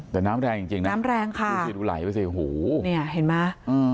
แต่น้ำแรงจริงน้ำแรงค่ะอู๋นี่เห็นมา